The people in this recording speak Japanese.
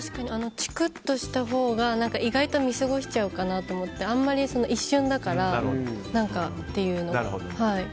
チクッとしたほうが意外と見過ごしちゃうかなと思ってあまり一瞬だからというので。